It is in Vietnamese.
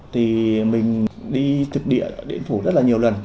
thì mình đi thực địa điện phủ rất là nhiều lần